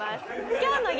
今日の激